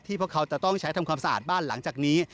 พวกเขาจะต้องใช้ทำความสะอาดบ้านหลังจากนี้